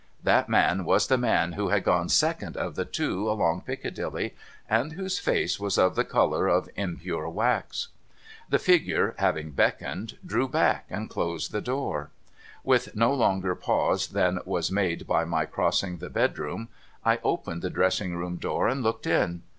That man was the man who had gone second of the two along Piccadilly, and whose face w'as of the colour of impure wax. The figure, having beckoned, drew back, and closed the door. W^ith no longer pause than was made by my crossing the bedroom, I opened the dressing room door, and looked in.